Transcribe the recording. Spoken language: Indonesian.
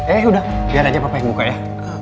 eh udah biar aja papa yang buka ya